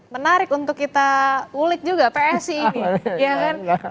menarik untuk kita ulik juga psi ini